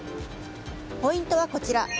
ポイントはこちら。